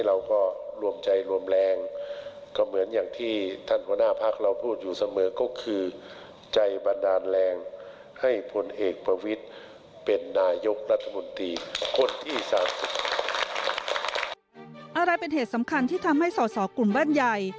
อะไรเป็นเหตุสำคัญที่ทำให้สอสอกลุ่มบ้านใหญ่